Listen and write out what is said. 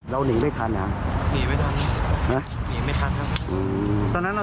เราหนีไม่ทันฮะหนีไม่ทันนะหนีไม่ทันครับอืมตอนนั้นเรา